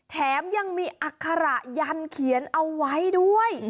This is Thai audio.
แถมยังมีอัคระยันเขียนเอาไว้ด้วย